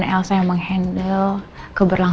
silahkan mbak mbak